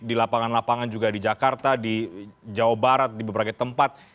di lapangan lapangan juga di jakarta di jawa barat di beberapa tempat